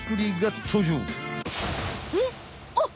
えっ？